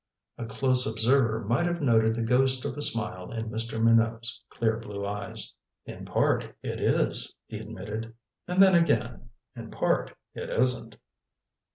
A close observer might have noted the ghost of a smile in Mr. Minot's clear blue eyes. "In part, it is," he admitted. "And then again in part, it isn't."